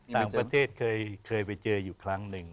ต่างประเทศเคยไปเจออยู่ครั้งหนึ่ง